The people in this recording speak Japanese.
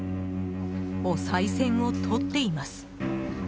おさい銭をとっています。